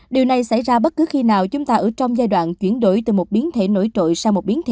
điều này xảy ra bất cứ khi nào chúng ta ở trong giai đoạn chuyển đổi từ một biến thể nổi trội sang một biến thể